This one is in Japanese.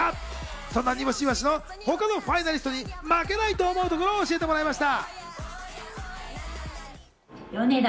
そんな、にぼしいわしが他のファイナリストに負けないと思うところを教えてくれました。